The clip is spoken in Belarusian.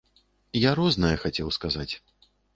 Я рознае хацеў сказаць.